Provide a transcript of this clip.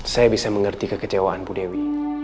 saya bisa mengerti kekecewaanmu dewi